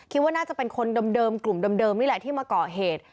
คิดว่าน่าจะเป็นคนเดิมกลุ่มเดิมนี่แหละที่มาก่อเหตุ